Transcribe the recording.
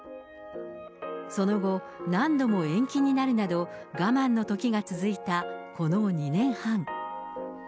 その後、何度も延期になるなど、がまんのときが続いたこの２年半。